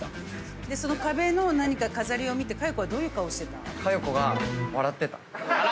壁の飾りを見て佳代子はどういう顔してた？